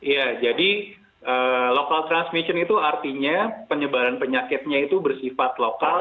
ya jadi local transmission itu artinya penyebaran penyakitnya itu bersifat lokal